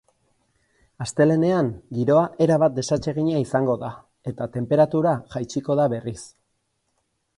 Astelehenean giroa erabat desatsegina izango da eta tenperatura jaitsiko da berriz.